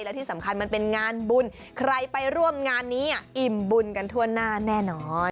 และที่สำคัญมันเป็นงานบุญใครไปร่วมงานนี้อิ่มบุญกันทั่วหน้าแน่นอน